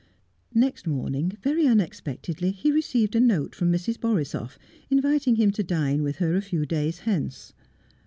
Next morning, very unexpectedly, he received a note from Mrs. Borisoff inviting him to dine with her a few days hence.